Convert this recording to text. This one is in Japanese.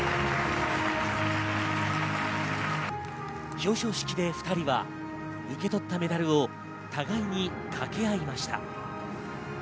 表彰式で２人は受け取ったメダルを互いに掛け合いました。